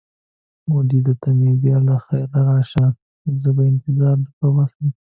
وه لیدو ته مې بیا له خیره راشه، زه به انتظار در وباسم.